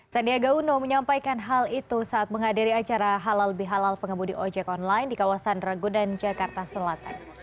sandiaga uno menyampaikan hal itu saat menghadiri acara halal bihalal pengemudi ojek online di kawasan ragu dan jakarta selatan